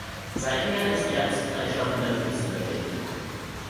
Seither ist er als freischaffender Künstler tätig.